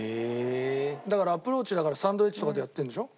だからアプローチだからサンドウェッジとかでやってるんでしょ？